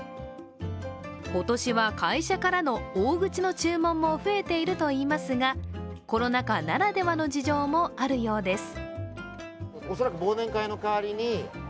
今年は、会社からの大口の注文も増えているといいますが、コロナ禍ならではの事情もあるようです。